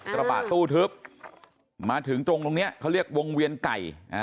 กระบะตู้ทึบมาถึงตรงนี้เขาเรียกวงเวียนไก่